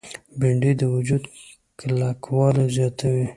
بېنډۍ د وجود کلکوالی زیاتوي